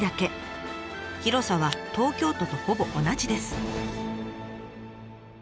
広さは東京都とほぼ同じです。